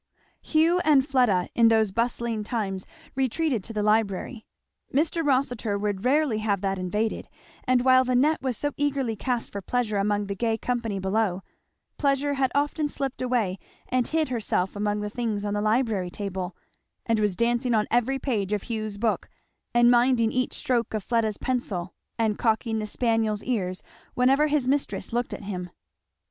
Hugh and Fleda in those bustling times retreated to the library; Mr. Rossitur would rarely have that invaded; and while the net was so eagerly cast for pleasure among the gay company below, pleasure had often slipped away and hid herself among the things on the library table, and was dancing on every page of Hugh's book and minding each stroke of Fleda's pencil and cocking the spaniel's ears whenever his mistress looked at him.